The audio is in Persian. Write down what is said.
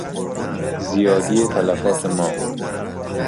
زیادی تلفات ما